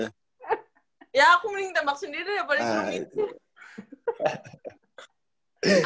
ya aku mending tembak sendiri apa yang lu pilih